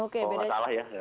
kalau nggak salah ya